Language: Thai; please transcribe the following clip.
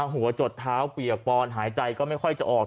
หัวจดเท้าเปียกปอนหายใจก็ไม่ค่อยจะออก